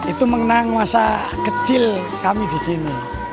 itu mengenang masa kecil kami di sini